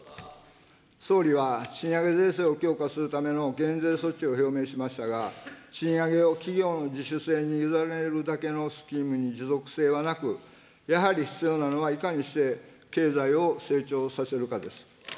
総理は賃上げ税制を強化するための減税措置を表明しましたが、賃上げを企業の自主性に委ねるだけのスキームに持続性はなく、やはり必要なのはいかにして経済を成長させるかです。